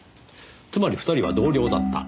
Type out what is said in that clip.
つまり２人は同僚だった。